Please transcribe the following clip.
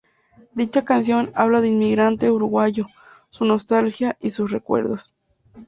Dicha canción habla del inmigrante Uruguayo, su nostalgia y sus recuerdos.